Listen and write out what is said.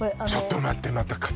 ちょっと待ってまた